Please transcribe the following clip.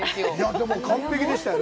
でも、完璧でしたね。